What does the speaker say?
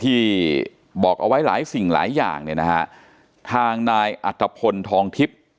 ที่บอกเอาไว้หลายสิ่งหลายอย่างเนี่ยนะฮะทางนายอัตภพลทองทิพย์